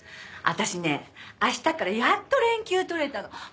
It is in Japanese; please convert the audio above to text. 私ね明日からやっと連休取れたの。